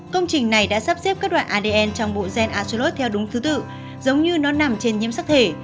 công trình này đã sắp xếp các đoạn adn trong bộ gen asollot theo đúng thứ tự giống như nó nằm trên nhiễm sắc thể